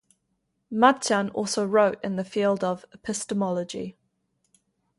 Machan also wrote in the field of epistemology.